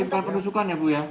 ini bukan penusukan ya bu ya